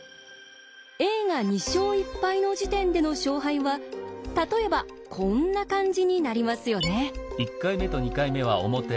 Ａが２勝１敗の時点での勝敗は例えばこんな感じになりますよね。